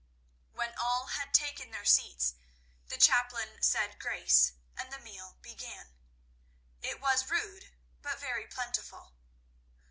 When all had taken their seats, the chaplain said grace, and the meal began. It was rude but very plentiful.